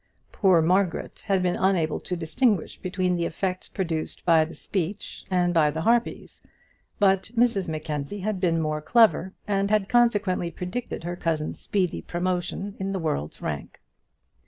Poor Margaret had been unable to distinguish between the effects produced by the speech and by the harpies; but Mrs Mackenzie had been more clever, and had consequently predicted her cousin's speedy promotion in the world's rank.